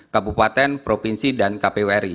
kabupaten provinsi dan kpwri